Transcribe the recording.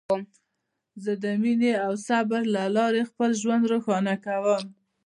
زه د مینې او صبر له لارې خپل ژوند روښانه کوم.